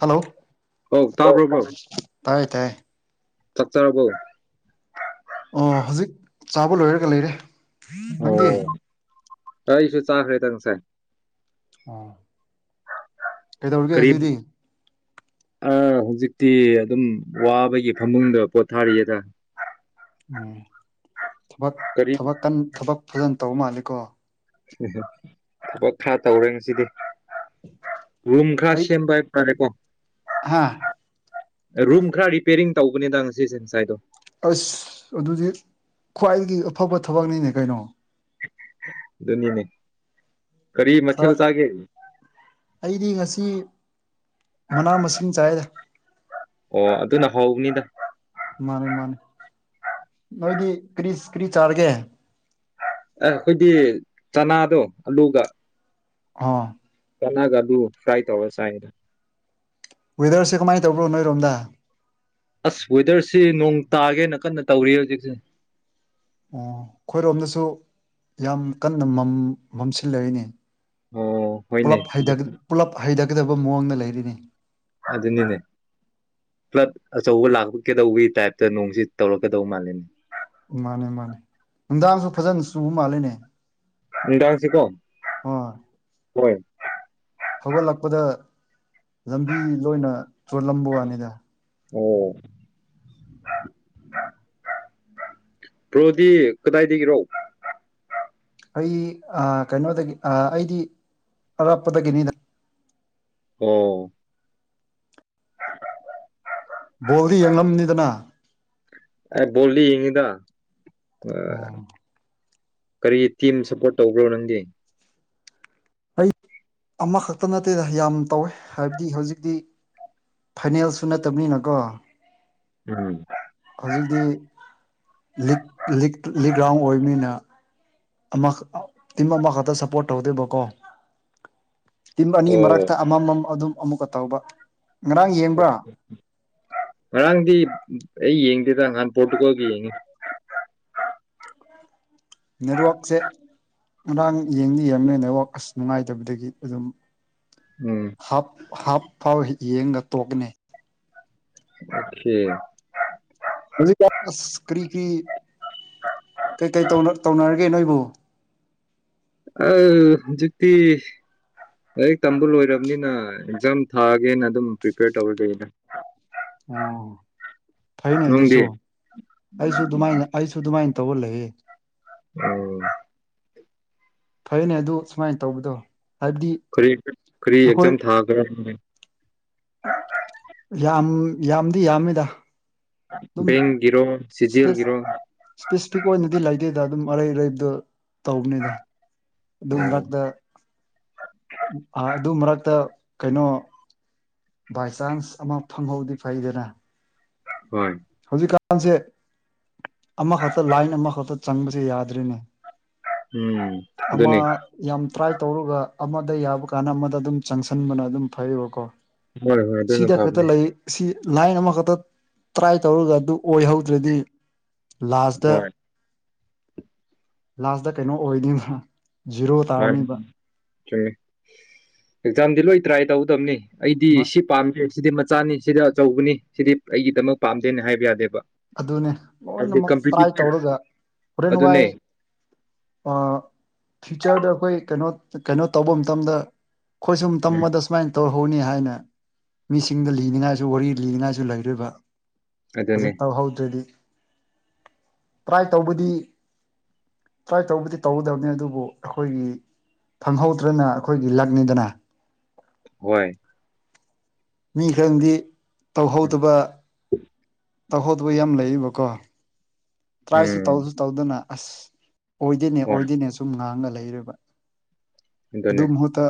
Hello ꯑꯧ ꯑꯣ ꯇꯥꯕ꯭ꯔꯣ ꯇꯥꯏ ꯕ꯭ꯔꯣ ꯇꯥꯏꯌꯦ ꯇꯥꯏꯌꯦ ꯆꯥꯛ ꯆꯔꯥꯕꯣ ꯑꯣ ꯍꯣꯖꯤꯛ ꯆꯥꯕ ꯂꯣꯏꯔꯒ ꯂꯩꯔꯦ ꯅꯪꯗꯤ ꯑꯤꯁꯨ ꯆꯥꯈꯔꯦꯗ ꯉꯁꯥꯏ꯫ ꯑꯥ ꯀꯩꯗꯧꯔꯒꯦ ꯍꯧꯖꯤꯛꯇꯤ? ꯑ ꯍꯧꯖꯤꯛꯇꯤ ꯑꯗꯨꯝ ꯋꯥꯕꯒꯤ ꯐꯃꯨꯡꯗ ꯄꯣꯠꯊꯥꯔꯤꯌꯦꯗ꯫ ꯎꯝ ꯀꯔꯤ ꯊꯕꯛ ꯊꯕꯛ ꯐꯖꯟꯅ ꯇꯧꯕ ꯃꯥꯜꯂꯤꯀꯣ꯫ ꯎ ꯊꯕꯛ ꯈꯔ ꯇꯧꯔꯦ ꯉꯁꯤꯗꯤ ꯔꯨꯝ ꯈꯔ ꯁꯦꯝꯕ꯫ ꯀꯣ ꯍꯥꯥ ꯔꯨꯝ ꯈꯔ ꯔꯤꯄ꯭ꯌꯥꯔꯤꯡ ꯇꯧꯕꯅꯤꯗ ꯉꯁꯤꯁꯦ ꯉꯁꯥꯏꯗꯣ꯫ ꯑꯁ ꯑꯗꯨꯗꯤ ꯈ꯭ꯋꯥꯏꯗꯒꯤ ꯑꯐꯕ ꯊꯕꯛꯅꯤꯅꯦ ꯀꯩꯅꯣ꯫ ꯑꯗꯨꯅꯤꯅꯦ ꯀꯔꯤ ꯈꯔ ꯃꯊꯦꯜ ꯆꯥꯒꯦ? ꯑꯩꯗꯤ ꯉꯁꯤ ꯃꯅꯥ ꯃꯁꯤꯡ ꯆꯥꯏꯗ꯫ ꯑꯣ ꯑꯗꯨꯅ ꯍꯧꯕꯅꯤꯗ꯫ ꯃꯥꯟꯅꯦ ꯃꯥꯟꯅꯦ ꯅꯣꯏꯗꯤ ꯀꯔꯤ - ꯀꯔꯤ ꯆꯥꯔꯒꯦ? ꯑꯦ ꯑꯩꯈꯣꯏꯗꯤ ꯆꯅꯥꯗꯣ ꯑꯂꯨꯒ꯫ ꯑꯣ ꯆꯥꯅꯥꯒ ꯑꯂꯨꯒ ꯐ꯭ꯔꯥꯏ ꯇꯧꯔꯒ ꯁꯥꯥꯏꯗ꯫ ꯋꯦꯗꯔꯁꯦ ꯀꯃꯥꯏ ꯇꯧꯕ꯭ꯔꯣ ꯅꯣꯏꯔꯣꯝꯗ? ꯑꯁ ꯋꯦꯗꯔꯁꯦ ꯅꯣꯡ ꯇꯥꯒꯦꯅ ꯀꯟꯅ ꯇꯧꯔꯤ ꯍꯧꯖꯤꯛꯁꯦ꯫ ꯑꯣ ꯑꯩꯈꯣꯏꯔꯣꯝꯗꯁꯨ ꯌꯥꯝ ꯀꯟꯅ ꯃꯝꯁꯤꯜꯂꯛꯏꯅꯦ꯫ ꯑꯣ ꯍꯣꯏꯅꯦ ꯄꯨꯂꯞ ꯁꯤꯗ ꯍꯩꯙꯒꯗꯕ ꯃꯑꯣꯡꯗ ꯂꯩꯔꯦꯅꯦ꯫ ꯑꯗꯨꯅꯤꯅꯦ꯫ ꯐ꯭ꯂꯠ ꯑꯆꯧꯕ ꯂꯥꯛꯀꯗꯧꯕꯒꯤ ꯇꯥꯏꯞꯇ ꯅꯣꯡꯁꯤ ꯇꯧꯔꯛꯀꯗꯧꯕ ꯃꯥꯜꯂꯤꯅꯦ꯫ ꯃꯥꯟꯅꯦ - ꯃꯥꯟꯅꯦ ꯅꯨꯡꯗꯥꯡꯁꯨ ꯐꯖꯅ ꯆꯨꯕ ꯃꯥꯜꯂꯤꯅꯦ? ꯅꯨꯡꯗꯥꯡꯁꯤ ꯀꯣ ꯍꯣꯏ ꯍꯣꯏ꯫ ꯍꯧꯒꯠꯂꯛꯄꯗ ꯂꯝꯕꯤ ꯂꯣꯏꯅ ꯆꯣꯜꯂꯝꯕꯒꯤ ꯋꯥꯅꯤꯗ꯫ ꯑꯣ ꯕ꯭ꯔꯣꯗꯤ ꯀꯗꯥꯏꯗꯒꯤꯅꯣ? ꯑꯩ ꯀꯩꯅꯣꯗꯒꯤ ꯑꯩꯗꯤ ꯑꯔꯥꯞꯄꯗꯒꯤꯅꯤꯗ꯫ ꯑꯣ ꯕꯣꯜꯗꯤ ꯌꯦꯡꯂꯝꯅꯤꯗꯅ? ꯑꯦ ꯕꯣꯂꯤ ꯌꯦꯡꯢꯗ꯫ ꯎꯝ ꯀꯔꯤ ꯇꯤꯝ ꯁꯞꯄ꯭ꯔꯣꯠ ꯇꯧꯕ꯭ꯔꯣ ꯅꯪꯗꯤ? ꯑꯩ ꯑꯃꯈꯛꯇ ꯅꯠꯇꯦꯗ ꯌꯥꯝ ꯇꯧꯋꯦ ꯍꯥꯏꯕꯗꯤ ꯍꯧꯖꯤꯛꯇꯤ ꯐꯥꯏꯅꯦꯜꯁꯨ ꯅꯠꯇꯕꯅꯤꯅꯀꯣ ꯎꯝ ꯍꯧꯖꯤꯛꯇꯤ ꯂꯤꯛ ꯂꯤꯛ ꯒ꯭ꯔꯥꯎꯟ ꯑꯣꯏꯕꯅꯤꯅ ꯑꯃ ꯇꯤꯝ ꯈꯛꯇ ꯁꯞꯄ꯭ꯔꯣꯠ ꯇꯧꯗꯣꯏꯕꯀꯣ꯫ ꯇꯤꯝ ꯑꯅꯤꯒꯤ ꯑꯣ ꯃꯔꯛꯇ ꯑꯃꯃꯝ ꯑꯗꯨꯝ ꯑꯃꯨꯛꯀ ꯇꯧꯕ꯫ ꯉꯔꯥꯡ ꯌꯦꯡꯕ꯭ꯔꯥ ꯉꯔꯥꯡꯗꯤ ꯑꯩ ꯌꯦꯡꯗꯦꯗ ꯅꯍꯥꯟ ꯄꯣꯔꯇꯨꯒꯜꯒꯤ ꯌꯦꯡꯉꯤ꯫ ꯅꯦꯠꯋ꯭ꯥꯛꯁꯦ ꯉꯔꯥꯡ ꯌꯦꯡꯗꯤ ꯌꯦꯡꯂꯝꯃꯦ ꯅꯦꯠꯋ꯭ꯥꯔꯛ ꯑꯁ ꯅꯨꯡꯉꯥꯏꯇꯕꯗꯒꯤ ꯑꯗꯨꯝ ꯎꯝ ꯍꯥꯞ ꯍꯥꯞ ꯐꯥꯎ ꯌꯦꯡꯉ ꯇꯣꯛꯀꯅꯤ ꯑꯣꯛꯀꯦ꯫ ꯍꯧꯖꯤꯛꯀꯥꯟ ꯑꯁ ꯀꯔꯤ ꯀꯔꯤ ꯀꯩꯀꯩ ꯇꯧꯅ ꯇꯧꯅꯔꯒꯦ ꯅꯣꯏꯕꯨ ꯑ ꯍꯧꯖꯤꯛꯇꯤ ꯂꯥꯏꯔꯤꯛ ꯇꯝꯕ ꯂꯣꯏꯔꯕꯅꯤꯅ ꯑꯦꯛꯖꯥꯝ ꯊꯥꯒꯦꯅ ꯑꯗꯨꯝ ꯄ꯭ꯔꯤꯄꯦꯌꯔ ꯇꯧꯔꯒꯦꯅ ꯑꯣ ꯐꯩꯅꯦ ꯅꯪꯗꯤ ꯑꯗꯨꯁꯨ ꯑꯩꯁꯨ ꯑꯗꯨꯃꯥꯏꯅ ꯑꯩꯁꯨ ꯑꯗꯨꯃꯥꯏꯅ ꯇꯧꯔ ꯂꯩꯌꯦ [unintelligible] ꯐꯩꯌꯦꯅꯦ ꯑꯗꯨ ꯁꯨꯃꯥꯏꯅ ꯇꯧꯕꯗꯣ ꯍꯥꯏꯕꯗꯤ ꯀꯔꯤ ꯀꯔꯤ ꯑꯩꯈꯣꯏ ꯑꯦꯛꯖꯥꯝ ꯊꯥꯒꯦꯔ ꯅꯪꯗꯤ ꯌꯥꯝ ꯌꯥꯝꯗꯤ ꯌꯥꯝꯃꯤꯗ ꯑꯗꯨꯝ ꯕꯦꯡꯒꯤꯔꯣ ꯏꯁꯄꯦꯁ ꯁꯤꯖꯤꯑꯦꯜꯒꯤꯔꯣ ꯏꯁꯄꯦꯁꯤꯐꯤꯛ ꯑꯣꯏꯅꯗꯤ ꯂꯩꯇꯦꯗ ꯑꯗꯨꯝ ꯑꯔꯩ ꯑꯔꯩꯕꯗꯣ ꯇꯧꯕꯅꯤꯗ ꯑꯗꯨ ꯑꯣ ꯃꯔꯛꯇ ꯑꯥ ꯑꯗꯨ ꯃꯔꯛꯇ ꯀꯩꯅꯣ ꯕꯥꯏ ꯆꯥꯟꯁ ꯑꯃ ꯐꯪꯍꯧꯗꯤ ꯐꯩꯗꯅ ꯍꯣꯏ ꯍꯧꯖꯤꯛꯀꯥꯟꯁꯦ ꯑꯃꯈꯛꯇ ꯂꯥꯏꯟ ꯑꯃꯈꯛꯇ ꯆꯪꯕꯁꯦ ꯌꯥꯗ꯭ꯔꯦꯅꯦ ꯎꯝ ꯑꯃ ꯑꯗꯨꯅꯤ ꯌꯥꯝ ꯇ꯭ꯔꯥꯏ ꯇꯧꯔꯒ ꯑꯃꯗ ꯌꯥꯕ ꯀꯥꯟꯗ ꯑꯃꯗ ꯑꯗꯨꯝ ꯆꯪꯁꯟꯕꯅ ꯑꯗꯨꯝ ꯐꯩꯌꯦꯕꯀꯣ ꯍꯣꯏ ꯍꯣꯏ ꯑꯗꯨꯅ ꯁꯤꯗ ꯈꯛꯇ ꯐꯕꯅꯦ ꯂꯩ ꯁꯤ ꯂꯥꯏꯟ ꯑꯃꯈꯛꯇ ꯇ꯭ꯔꯥꯏ ꯇꯧꯔꯒ ꯑꯗꯨ ꯑꯣꯏꯍꯧꯗ꯭ꯔꯗꯤ ꯂꯥꯁꯗ ꯍꯣꯏ ꯂꯥꯁꯗ ꯀꯩꯅꯣ ꯑꯣꯏꯅꯤꯗ ꯃꯥꯅꯤ ꯆꯨꯝꯃꯦ ꯑꯦꯛꯖꯥꯝꯗꯤ ꯂꯣꯏ ꯇ꯭ꯔꯥꯏ ꯇꯧꯒꯗꯕꯅꯤ ꯑꯩꯗꯤ ꯁꯤꯞ ꯄꯥꯝꯗꯦ ꯁꯤꯗꯤ ꯃꯆꯥꯅꯤ ꯁꯤꯗꯤ ꯑꯆꯧꯕꯅꯤ ꯁꯤꯗꯤ ꯑꯩꯒꯤꯗꯃꯛ ꯄꯥꯝꯗꯦꯅꯦ ꯍꯥꯏꯕ ꯌꯥꯗꯦꯕ ꯑꯗꯨꯅꯦ ꯍꯥꯏꯕꯗꯤ ꯂꯣꯏꯅꯃꯛ ꯇ꯭ꯔꯥꯏ ꯀꯝꯄꯤꯇꯤꯇꯤꯞ ꯇꯧꯔꯒ ꯍꯣꯔꯦꯟ ꯋꯥꯏ ꯑꯗꯨꯅꯦ ꯑꯥ ꯐ꯭ꯌꯨꯆꯔꯗ ꯑꯈꯣꯏ ꯀꯩꯅꯣ ꯀꯩꯅꯣ ꯇꯧꯕ ꯃꯇꯝꯗ ꯈꯣꯏꯁꯨ ꯎꯝ ꯃꯇꯝꯃꯗ ꯁꯨꯃꯥꯏꯅ ꯇꯧꯍꯧꯅꯤ ꯍꯥꯏꯅ ꯃꯤꯁꯤꯡꯗ ꯂꯤꯅꯤꯡꯉꯥꯏꯁꯨ ꯋꯥꯔꯤ ꯂꯤꯅꯤꯡꯉꯥꯏꯁꯨ ꯂꯩꯔꫭꯏꯕ ꯑꯗꯨꯅꯦ ꯇꯧꯍꯧꯗ꯭ꯔꯗꯤ ꯇ꯭ꯔꯥꯏ ꯇꯧꯕꯗꯤ ꯇ꯭ꯔꯥꯏ ꯇꯧꯕꯗꯤ ꯇꯧꯒꯗꯕꯅꯤ ꯑꯗꯨꯕꯨ ꯑꯈꯣꯏꯒꯤ ꯐꯪꯍꯧꯗ꯭ꯔꯦꯅ ꯑꯩꯈꯣꯏꯒꯤ ꯂꯛꯅꯤꯗꯅ ꯍꯣꯏ ꯃꯤ ꯈꯔꯪꯗꯤ ꯎꯝ ꯇꯧꯍꯧꯗꯕ ꯇꯧꯍꯧꯗꯧꯕ ꯌꯥꯝ ꯂꯩꯌꯦꯕꯀꯣ ꯇ꯭ꯔꯥꯏꯁꯨ ꯎꯝ ꯇꯧꯁꯨ ꯇꯧꯗꯅ ꯑꯁ ꯑꯣꯏꯗꯦꯅꯦ ꯍꯣꯏ ꯑꯣꯏꯗꯦꯅꯦ ꯁꯨꯝ ꯉꯥꯡꯉ ꯂꯩꯔꯦꯕ ꯑꯗꯨ ꯑꯗꯨꯅꯦ ꯃꯍꯨꯠꯇ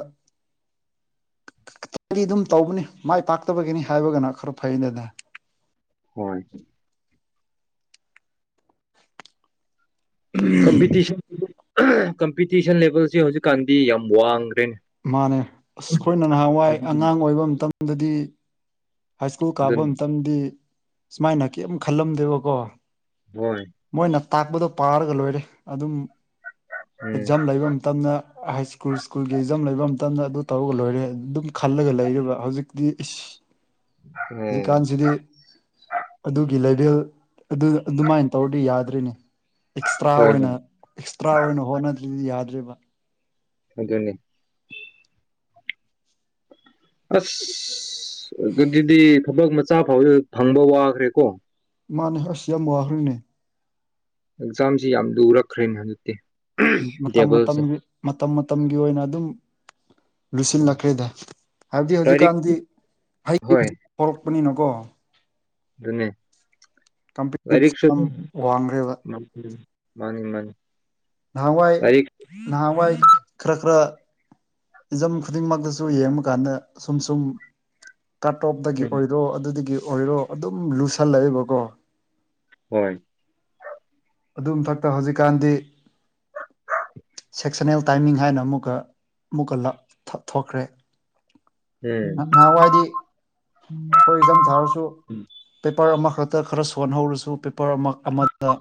[unintelligible] ꯗꯤ ꯑꯗꯨꯝ ꯇꯧꯕꯅꯤ ꯃꯥꯏ ꯄꯥꯛꯇꯕꯒꯤꯅꯤ ꯍꯥꯏꯔꯒꯅ ꯈꯔ ꯐꯩꯅꯦꯗꯅ ꯍꯣꯏ ꯀꯃꯄꯤꯇꯤꯁꯟ [unintelligible] ꯀꯝꯄꯤꯇꯤꯁꯟ ꯂꯦꯚꯦꯜꯁꯦ ꯍꯧꯖꯤꯛꯀꯥꯟꯗꯤ ꯌꯥꯝ ꯋꯥꯡꯒ꯭ꯔꯦꯅꯦ ꯃꯥꯅꯦ ꯑꯁ ꯈꯣꯏꯅ ꯅꯍꯥꯟꯋꯥꯏ ꯑꯉꯥꯡ ꯑꯗꯨꯅꯤ ꯑꯣꯏꯕ ꯃꯇꯝꯗꯗꯤ ꯍꯥꯏ ꯁ꯭ꯀꯨꯜ ꯀꯥꯕ ꯃꯇꯝꯗꯤ ꯁꯨꯃꯥꯏꯅ ꯀꯤꯌꯝ ꯈꯜꯂꯝꯗꯦꯕꯀꯣ ꯍꯣꯏ ꯃꯣꯏꯅ ꯇꯥꯛꯄꯗꯣ ꯄꯥꯔꯒ ꯂꯣꯏꯔꯦ ꯑꯗꯨꯝ ꯎꯝ ꯑꯦꯛꯖꯥꯝ ꯂꯩꯕ ꯃꯇꯝꯗ ꯍꯥꯏ ꯁ꯭ꯀꯨꯜ ꯁ꯭ꯀꯨꯜ ꯖꯝ ꯂꯩꯕ ꯃꯇꯝꯗ ꯑꯗꯨ ꯇꯧꯔꯒ ꯂꯣꯏꯔꯦ ꯑꯗꯨꯝ ꯈꯜꯂꯒ ꯂꯩꯔꯤꯕ ꯍꯧꯖꯤꯛꯇꯤ ꯏꯁ ꯎꯝ ꯍꯧꯖꯤꯛꯀꯥꯟꯁꯤꯗꯤ ꯑꯗꯨꯒꯤ ꯂꯦꯚꯦꯜ ꯑꯗꯨ ꯑꯗꯨꯃꯥꯏꯅ ꯇꯧꯔꯗꯤ ꯌꯥꯗ꯭ꯔꯤꯅꯦ ꯑꯦꯛꯁꯇ꯭ꯔꯥ ꯍꯣꯏꯅꯦ ꯑꯣꯏꯅ ꯑꯦꯛꯁꯇ꯭ꯔꯥ ꯑꯣꯏꯅ ꯍꯣꯠꯅꯗ꯭ꯔꯗꯤ ꯌꯥꯗ꯭ꯔꯤꯕ ꯑꯗꯨꯅꯤ ꯑꯁ ꯑꯗꯨꯗꯤ ꯊꯕꯛ ꯃꯆꯥ ꯐꯥꯎꯗ ꯐꯪꯕ ꯋꯥꯈ꯭ꯔꯦꯀꯣ ꯃꯥꯥꯟꯅꯦ ꯑꯁ ꯌꯥꯝ ꯋꯥꯈ꯭ꯔꯔꯤꯅꯦ ꯑꯦꯛꯖꯥꯝꯁꯤ ꯌꯥꯝ ꯂꯨꯔꯛꯈ꯭ꯔꯦꯅꯦ ꯍꯩꯖꯤꯛꯇꯤ ꯃꯇꯝ ꯃꯇꯝꯒꯤ ꯃꯇꯝ ꯃꯇꯝꯒꯤ ꯑꯣꯏꯅ ꯑꯗꯨꯝ ꯂꯨꯁꯤꯜꯂꯛꯈ꯭ꯔꯦꯗ ꯍꯥꯏꯕꯗꯤ ꯂꯥꯏꯔꯤꯛ ꯍꯧꯖꯤꯛꯀꯥꯟꯗꯤ ꯍꯩ [unintelligible] ꯍꯣꯏ ꯍꯧꯖꯤꯛ ꯍꯧꯔꯛꯄꯅꯤꯅꯀꯣ ꯑꯗꯨꯅꯤ ꯀꯝꯄꯤꯇꯤꯞꯁ ꯂꯥꯏꯔꯤꯛꯁꯨ ꯌꯥꯝ ꯋꯥꯡꯈ꯭ꯔꯦꯕ ꯑꯗꯨꯃ ꯄꯔꯤ ꯃꯥꯅꯤ ꯃꯥꯅꯤ ꯅꯍꯥꯟꯋꯥꯏ ꯂꯥꯏꯔꯤꯛ ꯅꯍꯥꯟꯋꯥꯏ ꯈꯔ ꯈꯔ ꯏꯟꯖꯝ ꯈꯨꯗꯤꯡꯃꯛꯇꯁꯨ ꯌꯦꯡꯕ ꯀꯥꯟꯗ ꯁꯨꯝ ꯁꯨꯝ ꯀꯠ ꯑꯣꯞꯇꯒꯤ ꯎꯝ ꯑꯣꯏꯔꯣ ꯑꯗꯨꯗꯒꯤ ꯑꯣꯏꯔꯣ ꯑꯗꯨꯝ ꯂꯨꯁꯜꯂꯛꯑꯦꯕꯀꯣ ꯍꯣꯏ ꯑꯗꯨꯝ ꯃꯊꯛꯇ ꯍꯧꯖꯤꯛꯀꯥꯟꯗꯤ ꯁꯦꯛꯁꯟꯅꯜ ꯇꯥꯏꯃꯤꯡ ꯍꯥꯏꯅ ꯑꯃꯨꯛꯀ ꯑꯃꯨꯛꯀ ꯊꯣꯛꯈ꯭ꯔꯦ ꯎꯝ ꯅꯥꯍꯥꯋꯥꯏꯗꯤ ꯑꯩꯈꯣꯏ ꯑꯦꯛꯖꯥꯝ ꯊꯥꯔꯁꯨ ꯄꯦꯄꯔ ꯑꯃꯈꯛꯇ ꯈꯔ ꯁꯣꯟꯍꯧꯔꯁꯨ ꯄꯦꯄꯔ ꯑꯃ ꯑꯃꯗ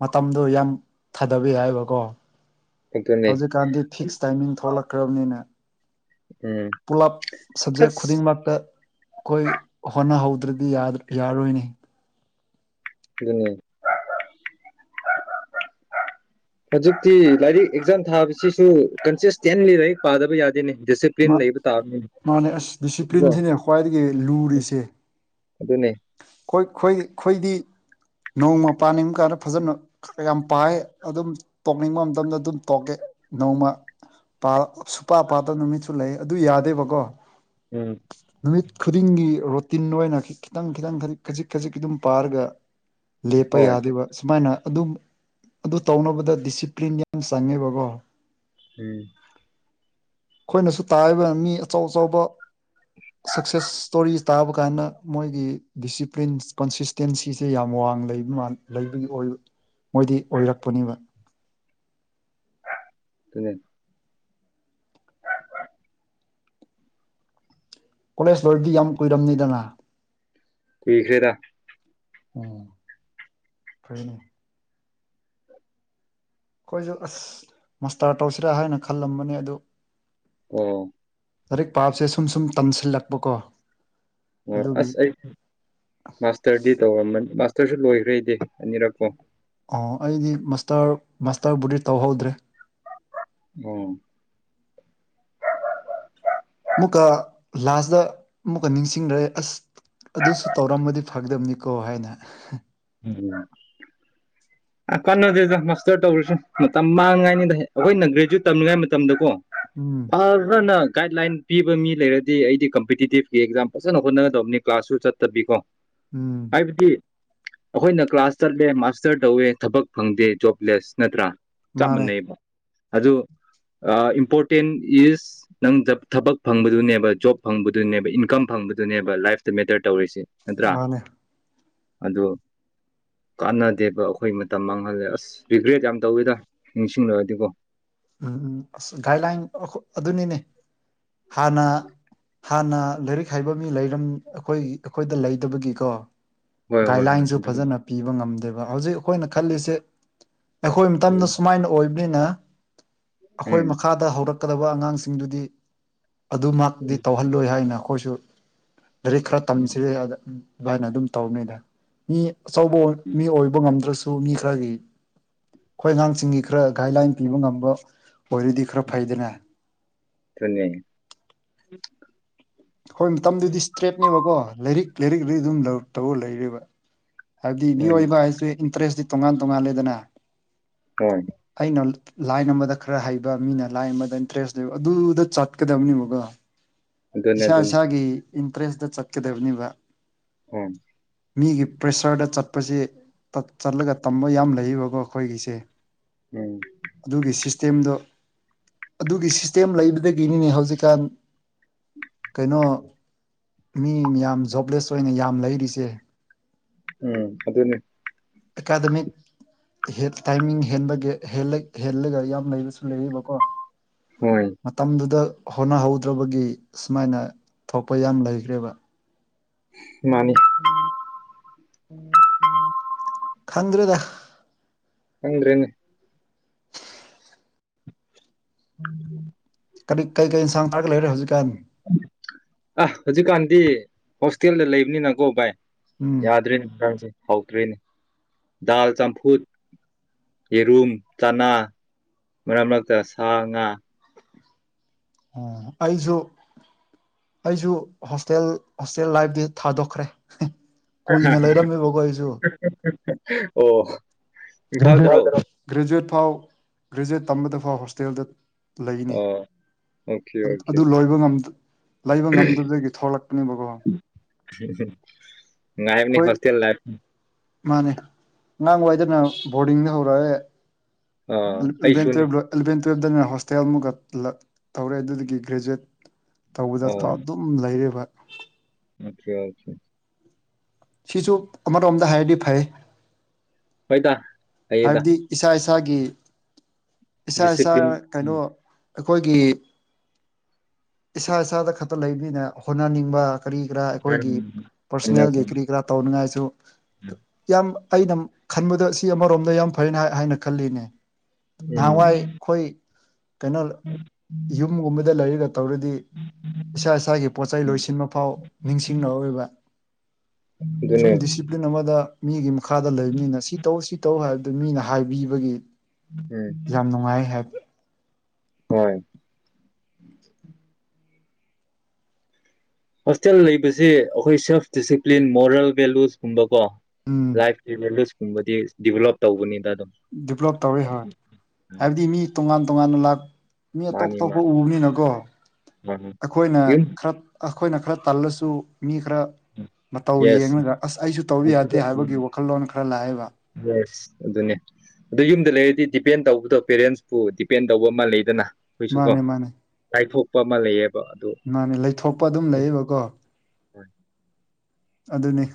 ꯃꯇꯝꯗꯣ ꯌꯥꯝ ꯊꯥꯗꯕ ꯌꯥꯏꯕꯀꯣ ꯑꯗꯨꯅꯦ ꯍꯧꯖꯤꯛꯀꯥꯟꯗꯤ ꯐꯤꯛꯁ ꯇꯥꯏꯃꯤꯡ ꯊꯣꯛꯂꯛꯈ꯭ꯔꯕꯅꯤꯅꯦ ꯎꯝ ꯄꯨꯂꯞ ꯁꯕꯖꯦꯛ ꯑꯁ ꯈꯨꯗꯤꯡꯃꯛꯇ ꯑꯩꯈꯣꯏ ꯍꯣꯠꯅꯍꯧꯗ꯭ꯔꯗꯤ ꯌꯥꯔꯣꯏꯅꯤ ꯑꯗꯨꯅꯤ [inaudible] ꯍꯧꯖꯤꯛꯇꯤ ꯂꯥꯏꯔꯤꯛ ꯑꯦꯛꯖꯥꯝ ꯊꯥꯕꯁꯤꯁꯨ ꯀꯟꯁꯤꯁꯇꯦꯟꯂꯤ ꯂꯥꯏꯔꯤꯛ ꯄꯥꯗꯕ ꯌꯥꯗꯦꯅꯦ ꯂꯩꯕ ꯇꯥꯕꯅꯤꯅꯦ ꯃꯥꯅꯦ ꯑꯁ ꯀꯣ ꯗꯤꯁꯤꯄ꯭ꯂꯤꯟꯁꯤꯅꯦ ꯈ꯭ꯋꯥꯏꯗꯒꯤ ꯂꯨꯔꯤꯁꯦ ꯑꯗꯨꯅꯦ ꯈꯣꯏ ꯑꯩꯈꯣꯏꯗꯤ ꯅꯣꯡꯃ ꯄꯥꯟꯕꯥꯟꯅꯤꯡꯕ ꯀꯥꯟꯗ ꯐꯖꯅ ꯈꯔ ꯌꯥꯝ ꯄꯥꯏ ꯑꯗꯨꯝ ꯇꯣꯛꯅꯤꯡꯕ ꯃꯇꯝꯗ ꯑꯗꯨꯝ ꯇꯣꯛꯀꯦ ꯅꯣꯡꯃ ꯁꯨꯄꯥ ꯄꯥꯗꯥ ꯅꯨꯃꯤꯠꯁꯨ ꯂꯩ ꯑꯗꯨ ꯌꯥꯗꯦꯕꯀꯣ ꯎꯝ ꯅꯨꯃꯤꯠ ꯈꯨꯗꯤꯡꯒꯤ ꯔꯣꯇꯤꯟ ꯑꯣꯏꯅ ꯈꯤꯇꯪ ꯈꯤꯇꯪ ꯈꯖꯤꯛ ꯈꯖꯤꯛ ꯈꯖꯤꯛ ꯑꯗꯨꯝ ꯄꯥꯔꯒ ꯂꯦꯞꯄ ꯍꯣꯏ ꯌꯥꯗꯦꯕ ꯁꯨꯃꯥꯏꯅ ꯑꯗꯨ ꯑꯗꯨ ꯇꯧꯅꯕꯗ ꯗꯤꯁꯤꯄ꯭ꯂꯤꯟ ꯌꯥꯝ ꯆꯪꯉꯦꯕꯀꯣ ꯎꯝ ꯑꯩꯈꯣꯏꯅꯁꯨ ꯇꯥꯔꯤꯕ ꯃꯤ ꯑꯆꯧ ꯑꯆꯧꯕ ꯁꯛꯁꯦꯁ ꯁ꯭ꯇꯣꯔꯤ ꯇꯥꯕ ꯀꯥꯟꯗ ꯃꯣꯏꯒꯤ ꯗꯤꯁꯤꯄ꯭ꯂꯤꯟ ꯀꯣꯟꯁꯤꯁ ꯇꯦꯟꯁꯤꯁꯦ ꯌꯥꯝ ꯋꯥꯡꯅ ꯂꯩꯕ ꯂꯩꯕꯒꯤ ꯑꯣꯏꯕ ꯃꯣꯏꯗꯤ ꯑꯣꯏꯔꯛꯄꯅꯦꯕ ꯑꯗꯨꯅꯦ ꯀꯣꯂꯦꯖ ꯂꯣꯏꯕꯗꯤ ꯌꯥꯝ ꯀꯨꯏꯔꯝꯅꯤꯗꯅ ꯀꯨꯏꯈ꯭ꯔꯦꯗꯥ ꯎꯝ ꯐ꯭ꯔꯦꯅꯦ ꯑꯩꯈꯣꯏꯁꯨ ꯑꯁ ꯃꯁꯇꯥꯔ ꯇꯧꯁꯤꯔꯥ ꯍꯥꯏꯅ ꯈꯜꯂꯝꯕꯅꯦ ꯑꯗꯨ ꯑꯣ ꯂꯥꯏꯔꯤꯛ ꯄꯥꯕꯁꯦ ꯁꯨꯝ ꯁꯨꯝ ꯇꯝꯁꯤꯜꯂꯛꯄꯀꯣ ꯑꯣ ꯑꯗꯨꯒꯤ ꯑꯁ ꯑꯩ ꯃꯥꯁꯇꯔꯗꯤ ꯇꯧꯔꯝꯕꯅꯤ ꯃꯥꯁꯇꯔꯁꯨ ꯂꯣꯏꯈ꯭ꯔꯦꯗꯤ ꯑꯅꯤꯔꯛꯄꯨ ꯑꯣ ꯑꯩꯗꯤ ꯃꯁꯇꯔ ꯃꯥꯁꯇꯔꯕꯨꯗꯤ ꯇꯧꯍꯧꯗ꯭ꯔꯦ ꯑꯣ ꯑꯃꯨꯛꯀ ꯂꯥꯁꯗ ꯑꯃꯨꯛꯀ ꯅꯤꯡꯁꯤꯡꯔꯦ ꯑꯁ ꯑꯗꯨꯁꯨ ꯇꯧꯔꯃꯗꯤ ꯐꯒꯗꯝꯕꯅꯤꯀꯣ ꯍꯥꯏꯅ ꯎꯝ [inaudible] ꯑ ꯀꯥꯟꯅꯗꯦꯗ ꯃꯥꯁꯇꯔ ꯇꯧꯔꯤꯁꯦ ꯃꯇꯝ ꯃꯥꯡꯉꯥꯏꯅꯤꯗ ꯑꯩꯈꯣꯏꯅ ꯒ꯭ꯔꯦꯖꯨꯋꯦꯠ ꯇꯝꯃꯤꯉꯥꯏ ꯃꯇꯝꯗ ꯀꯣ ꯎꯝ ꯑꯍꯜ ꯈꯔꯥꯅ ꯒꯥꯏꯠ ꯂꯥꯏꯟ ꯄꯤꯕ ꯃꯤ ꯂꯩꯔꯗꯤ ꯑꯩꯗꯤ ꯀꯝꯄꯤꯇꯤꯇꯤꯞꯀꯤ ꯑꯦꯛꯖꯥꯝ ꯐꯖꯅ ꯍꯣꯠꯅꯒꯗꯕꯅꯤ ꯀ꯭ꯂꯥꯁꯁꯨ ꯆꯠꯇꯕꯤꯀꯣ ꯎꯝ ꯍꯥꯏꯕꯗꯤ ꯑꯩꯈꯣꯏꯅ ꯀ꯭ꯂꯥꯁ ꯆꯠꯂꯦ ꯃꯥꯁꯇꯔ ꯇꯧꯋꯦ ꯊꯕꯛ ꯐꯪꯗꯦ ꯖꯣꯕꯂꯦꯁ ꯅꯠꯇ꯭ꯔꯥ ꯆꯞ ꯃꯥꯅꯦ ꯃꯥꯟꯅꯩꯌꯦꯕ ꯑꯗꯨ ꯑꯥ ꯏꯝꯄꯣꯔꯇꯦꯟ ꯏꯁ ꯅꯪ ꯖꯕ ꯊꯕꯛ ꯐꯪꯕꯗꯨꯅꯦꯕ ꯖꯣꯕ ꯐꯪꯕꯗꯨꯅꯦꯕ ꯏꯟꯀꯝ ꯐꯪꯕꯗꯨꯅꯦꯕ ꯂꯥꯏꯐꯇ ꯃꯦꯇꯔ ꯇꯧꯔꯤꯁꯦ ꯅꯠꯇ꯭ꯔꯥ ꯃꯥꯅꯦ ꯑꯗꯣ ꯀꯥꯟꯅꯗꯦꯕ ꯑꯩꯈꯣꯏ ꯃꯇꯝ ꯃꯥꯡꯍꯜꯂꯦ ꯑꯁ ꯔꯤꯒ꯭ꯔꯦꯠ ꯌꯥꯝ ꯇꯧꯋꯤꯗ ꯅꯤꯡꯁꯤꯡꯂꯨꯔꯗꯤꯀꯣ ꯎꯝ ꯎꯝ ꯑꯁ ꯒꯥꯏꯗꯂꯥꯏꯟ ꯑꯈꯣ ꯑꯗꯨꯅꯤꯅꯦ ꯍꯥꯟꯅ ꯍꯥꯟꯅ ꯂꯥꯏꯔꯤꯛ ꯍꯩꯕ ꯃꯤ ꯂꯩꯔꯝ ꯑꯩꯈꯣꯏ ꯑꯩꯈꯣꯏꯗ ꯂꯩꯇꯕꯒꯤꯀꯣ ꯍꯣꯏ ꯍꯣꯏ ꯍꯣꯏ ꯒꯥꯏꯗꯂꯥꯏꯟꯁꯨ ꯑꯗꯨ ꯐꯖꯅ ꯄꯤꯕ ꯉꯝꯗꯦꯕ ꯍꯧꯖꯤꯛ ꯑꯩꯈꯣꯏꯅ ꯈꯜꯂꯤꯁꯦ ꯑꯩꯈꯣꯏ ꯃꯇꯝꯗ ꯁꯨꯃꯥꯏꯅ ꯑꯣꯏꯕꯅꯤꯅ ꯑꯈꯣꯏ ꯎꯝ ꯎꯝ ꯃꯈꯥꯗ ꯍꯧꯔꯛꯀꯗꯕ ꯑꯉꯥꯡꯁꯤꯡꯗꯨꯗꯤ ꯑꯗꯨꯃꯛꯇꯤ ꯇꯧꯍꯜꯂꯣꯏ ꯍꯥꯏꯅ ꯑꯩꯈꯣꯏꯁꯨ ꯂꯥꯏꯔꯤꯛ ꯈꯔ ꯇꯝꯁꯤ ꯍꯥꯏꯅ ꯎꯝ ꯑꯗꯨꯃꯥꯏꯅ ꯑꯗꯨꯝ ꯇꯧꯕꯅꯤꯗ ꯃꯤ ꯑꯆꯧꯕꯑꯣꯏ ꯃꯤ ꯑꯣꯏꯕ ꯉꯝꯗ꯭ꯔꯁꯨ ꯑꯗꯨ ꯃꯤ ꯈꯔꯒꯤ ꯈꯣꯏ ꯑꯉꯥꯡꯁꯤꯡꯒꯤ ꯈꯔ ꯒꯥꯏꯗꯂꯥꯏꯟ ꯄꯤꯕ ꯉꯝꯕ ꯑꯣꯏꯔꯗꯤ ꯈꯔ ꯐꯩꯗꯅ ꯇꯨꯅꯦ ꯑꯩꯈꯣꯏ ꯃꯇꯝꯗꯗꯤ ꯏꯁꯇ꯭ꯔꯦꯠꯅꯦꯕꯀꯣ ꯂꯥꯏꯔꯤꯛ ꯂꯥꯏꯔꯤꯛ ꯂꯥꯏꯔꯤꯛ ꯑꯗꯨꯝ ꯇꯧ ꯇꯧꯔ ꯂꯩꯔꯦꯕ ꯍꯥꯏꯕꯗꯤ ꯎꯝ ꯃꯤꯑꯣꯏꯕ ꯍꯥꯏꯁꯦ ꯏꯟꯇꯔꯦꯁꯇꯤ ꯇꯣꯉꯥꯟ ꯇꯣꯉꯥꯟꯂꯦꯗꯅ ꯍꯣꯏ ꯑꯩꯅꯜ ꯂꯥꯏꯟ ꯑꯃꯗ ꯈꯔ ꯍꯩꯕ ꯃꯤꯅ ꯂꯥꯏꯟ ꯑꯃꯗ ꯏꯟꯇꯔꯦꯁ ꯂꯩꯕ ꯑꯗꯨꯗꯥ ꯆꯠꯀꯗꯕꯅꯦꯕꯀꯣ ꯑꯗꯨꯅꯦ ꯏꯁꯥ ꯑꯗꯨꯅꯤ ꯏꯁꯥꯒꯤ ꯏꯟꯇꯔꯦꯁꯇ ꯆꯠꯀꯗꯕꯅꯤꯕ ꯍꯣꯏ ꯃꯤꯒꯤ__ ꯁꯍꯔꯗ ꯆꯠꯄꯁꯤ ꯇꯠ ꯆꯠꯂꯒ ꯇꯝꯕ ꯌꯥꯝ ꯂꯩꯌꯦꯕꯀꯣ ꯑꯩꯈꯣꯏꯒꯤꯁꯦ ꯎꯝ ꯑꯗꯨꯒꯤ ꯁꯤꯁꯇꯦꯝꯗꯣ ꯑꯗꯨꯒꯤ ꯁꯤꯁꯇꯦꯝ ꯂꯩꯕꯗꯒꯤꯅꯤꯅꯦ ꯍꯧꯖꯤꯛꯀꯥꯟ ꯀꯩꯅꯣ ꯃꯤ ꯃꯌꯥꯝ ꯖꯣꯕꯂꯦꯁ ꯑꯣꯏꯅ ꯌꯥꯝ ꯂꯩꯔꯤꯁꯦ ꯎꯝ ꯑꯗꯨꯅꯦ ꯑꯦꯀꯥꯗꯃꯤꯛ ꯍꯦꯠ ꯇꯥꯏꯃꯤꯡ ꯍꯦꯟꯕꯒꯤ ꯍꯦꯜꯂ ꯍꯦꯜꯂꯒ ꯌꯥꯝ ꯂꯩꯕꯁꯨ ꯂꯩꯌꯦꯕꯀꯣ ꯍꯣꯏ ꯃꯇꯝꯗꯨꯗ ꯍꯣꯠꯅꯍꯧꯗ꯭ꯔꯕꯒꯤ ꯁꯨꯃꯥꯏꯅ ꯊꯣꯛꯄ ꯌꯥꯝ ꯂꯩꯈ꯭ꯔꯦꯕ ꯃꯥꯅꯤ ꯈꯪꯗ꯭ꯔꯦꯗ ꯈꯪꯗ꯭ꯔꯦꯅꯦ [unintelligible] ꯀꯔꯤ ꯀꯩꯀꯩ ꯏꯟꯁꯥꯡ ꯊꯥꯔꯒ ꯂꯩꯔꯦ ꯍꯧꯖꯤꯛꯀꯥꯟ ꯑꯥ ꯍꯧꯖꯤꯛꯀꯥꯟꯗꯤ ꯍꯣꯁꯇꯦꯜꯗ ꯂꯩꯕꯅꯤꯅꯀꯣ ꯚꯥꯏ ꯎꯝ ꯌꯥꯗ꯭ꯔꯦꯅꯦ ꯏꯟꯁꯥꯡꯁꯦ ꯍꯥꯎꯇ꯭ꯔꯦꯅꯦ ꯗꯥꯜ ꯆꯝꯐꯨꯠ ꯌꯦꯔꯨꯝ ꯆꯅꯥ ꯃꯔꯛ ꯃꯔꯛꯇ ꯁꯥ ꯉꯥ ꯑꯥ ꯑꯩꯁꯨ ꯑꯩꯁꯨ ꯍꯣꯁꯇꯦꯜ ꯍꯣꯁꯇꯦꯜ ꯂꯥꯏꯐꯇꯤ ꯊꯥꯗꯣꯛꯈ꯭ꯔꯦ ꯀꯨꯏꯅ ꯂꯩꯔꯝꯃꯦꯕꯀꯣ ꯑꯩꯁꯨ [unintelligible] ꯑꯣ ꯏꯝꯐꯥꯜꯗꯔꯣ ꯒ꯭ꯔꯦꯖꯨꯦꯠ ꯐꯥꯎ ꯒ꯭ꯔꯦꯖꯨꯦꯠ ꯇꯝꯕꯗ ꯐꯥꯎ ꯍꯣꯁꯇꯦꯜꯗ ꯂꯩꯅꯤ ꯑꯣ ꯑꯣꯀꯦ ꯑꯣꯀꯦ ꯑꯗꯨ ꯂꯣꯏꯕꯉꯝ ꯂꯩꯕ ꯉꯝꯗꯕꯗꯒꯤ ꯊꯣꯛꯂꯛꯄꯅꯦꯕꯀꯣ ꯅꯨꯉꯥꯏꯕꯅꯤ ꯑꯩꯈꯣꯏ ꯍꯣꯁꯇꯦꯜ ꯂꯥꯏꯐ ꯃꯥꯅꯦ ꯑꯉꯥꯡꯋꯥꯏꯗꯅ ꯕꯣꯔꯗꯤꯡꯗ ꯍꯧꯔꯛꯑꯦ ꯑ ꯏꯂꯚꯦꯟ ꯑꯩꯁꯨꯅꯤ ꯇꯨꯌꯦꯜ ꯂꯣꯏ ꯑꯦꯂꯕꯦꯟ ꯇꯨꯌꯦꯞꯇꯅ ꯍꯣꯁꯇꯦꯜ ꯑꯃꯨꯛ ꯇꯧꯔꯛꯑꯦ ꯑꯗꯨꯗꯒꯤ ꯒ꯭ꯔꯦꯖꯨꯦꯠ ꯇꯧꯕꯗ [unintelligible] ꯎꯝ ꯂꯩꯔꯤꯕ ꯑꯣꯈꯦ ꯑꯣꯈꯦ ꯁꯤꯁꯨ ꯑꯃꯔꯣꯝꯗ ꯍꯥꯏꯔꯗꯤ ꯐꯩ ꯍꯣꯏꯗ ꯐꯩꯌꯦꯗ ꯍꯥꯏꯕꯗꯤ ꯏꯁꯥ ꯏꯁꯥꯒꯤ ꯏꯁꯥ ꯏꯁꯥ ꯗꯤꯁꯤꯄ꯭ꯂꯤꯟ ꯎꯝ ꯀꯩꯅꯣ ꯑꯩꯈꯣꯏꯒꯤ ꯏꯁꯥ ꯏꯁꯥꯗ ꯈꯛꯇ ꯂꯩꯕꯅꯤꯅ ꯍꯣꯠꯅꯅꯤꯡꯕ ꯀꯔꯤ ꯀꯔꯥ ꯑꯩꯈꯣꯏꯒꯤ ꯄꯔꯁꯅꯦꯜꯒꯤ ꯀꯔꯤ ꯀꯔꯥ ꯇꯧꯅꯤꯉꯥꯏꯁꯨ ꯌꯥꯝ ꯑꯩꯅ ꯈꯟꯕꯗ ꯁꯤ ꯑꯃꯔꯣꯝꯗ ꯌꯥꯝ ꯐꯩꯅꯦ ꯍꯥꯏꯅ ꯈꯜꯂꯤꯅꯦ ꯅꯍꯥꯟꯋꯥꯏ ꯈꯣꯏ ꯀꯩꯅꯣ ꯌꯨꯝꯒꯨꯝꯕꯥꯗ ꯂꯩꯔꯒ ꯇꯧꯔꯗꯤ ꯏꯁꯥ ꯏꯁꯥꯒꯤ ꯄꯣꯠꯆꯩ ꯂꯣꯏꯁꯤꯟꯕ ꯐꯥꯎ ꯅꯤꯡꯁꯤꯡꯔꯛꯑꯣꯏꯕ ꯑꯗꯨꯅꯦ ꯗꯤꯁꯤꯄ꯭ꯂꯤꯟ ꯑꯃꯥꯗ ꯃꯤꯒꯤ ꯃꯈꯥꯗ ꯂꯩꯕꯅꯤꯅ ꯁꯤ ꯇꯧ ꯁꯤ ꯇꯧ ꯍꯥꯏꯕꯗꯨ ꯃꯤꯅ ꯍꯥꯏꯕꯤꯕꯒꯤ ꯎꯝ ꯌꯥꯝ ꯅꯨꯡꯉꯥꯏ ꯍꯣꯏ ꯍꯣꯁꯇꯦꯜ ꯂꯩꯕꯁꯤ ꯑꯩꯈꯣꯏ ꯁꯦꯜꯐ ꯗꯤꯁꯤꯄ꯭ꯂꯤꯟ ꯃꯣꯔꯦꯜ ꯚꯦꯂꯨꯁ ꯀꯨꯝꯕꯀꯣ ꯎꯝ ꯂꯥꯏꯐꯀꯤ ꯚꯦꯂꯨꯁꯀꯨꯝꯕꯗꯤ ꯗꯤꯚꯦꯂꯞ ꯇꯧꯕꯅꯤꯗ ꯑꯗꯨꯝ ꯗꯦꯚꯂꯞ ꯇꯧꯔꯦ ꯍꯣꯏ ꯎꯝ ꯍꯥꯏꯕꯗꯤ ꯃꯤ ꯇꯣꯉꯥꯟ ꯇꯣꯉꯥꯟꯅ ꯂꯥꯛ ꯃꯤ ꯑꯇꯣꯞ ꯃꯥꯅꯤ ꯑꯇꯣꯞꯄꯥ ꯃꯥꯅꯤ ꯎꯕꯅꯤꯅꯀꯣ ꯃꯥꯅꯤ ꯑꯩꯈꯣꯏꯅ ꯌꯨꯝ ꯈꯔꯥ ꯑꯈꯣꯏꯅ ꯈꯔꯥ ꯇꯜꯂꯁꯨ ꯃꯤ ꯈꯔꯥ ꯃꯇꯧ ꯌꯦꯁ ꯌꯦꯡꯔꯒ ꯑꯁ ꯑꯩꯁꯨ ꯇꯧꯗ ꯌꯥꯗꯦ ꯍꯥꯏꯕꯒꯤ ꯋꯥꯈꯜꯂꯣꯟ ꯈꯔ ꯂꯥꯛꯑꯦꯕ ꯌꯦꯁ ꯑꯗꯨꯅꯦ ꯑꯗꯨ ꯌꯨꯝꯗ ꯂꯩꯔꯗꯤ ꯗꯤꯄꯦꯟ ꯇꯧꯕꯗꯣ ꯄꯦꯔꯦꯟꯁꯄꯨ ꯗꯤꯄꯦꯟ ꯇꯧꯕ ꯑꯃ ꯂꯩꯗꯅ ꯑꯩꯈꯣꯏꯁꯨ ꯀꯣ ꯃꯥꯅꯦ ꯃꯥꯅꯦ ꯂꯥꯏꯊꯣꯛꯄ ꯑꯃ ꯂꯩꯌꯦꯕ ꯑꯗꯣ ꯃꯥꯅꯦ ꯂꯩꯊꯣꯛꯄ ꯑꯗꯨꯝ ꯂꯩꯌꯦꯕꯀꯣ ꯑꯗꯨꯅꯤ